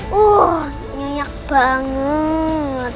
wah nyenyak banget